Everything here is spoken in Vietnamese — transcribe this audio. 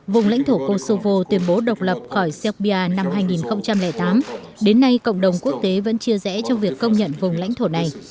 vùng lãnh thổ kosovo tuyên bố độc lập khỏi serbia năm hai nghìn tám đến nay cộng đồng quốc tế vẫn chia rẽ trong việc công nhận vùng lãnh thổ này